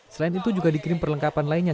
selain itu juga dikirim perlengkapan lainnya